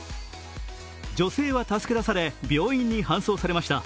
女性は助け出され、病院に搬送されました。